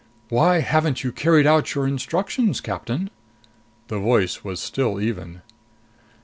"Why haven't you carried out your instructions, Captain?" The voice was still even.